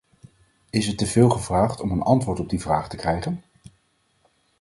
Is het teveel gevraagd om een antwoord op die vraag te krijgen?